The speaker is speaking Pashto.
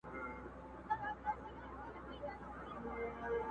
او فشار احساسوي ډېر